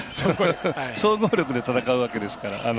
総合力で戦うわけですから。